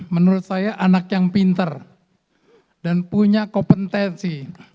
menurut saya anak yang pinter dan punya kompetensi